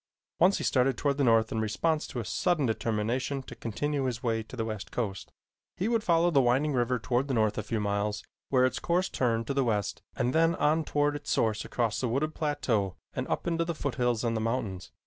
Once he started toward the north in response to a sudden determination to continue his way to the west coast. He would follow the winding river toward the north a few miles where its course turned to the west and then on toward its source across a wooded plateau and up into the foothills and the mountains.